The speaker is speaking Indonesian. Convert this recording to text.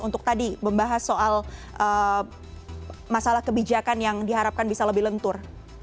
untuk tadi membahas soal masalah kebijakan yang diharapkan bisa lebih lentur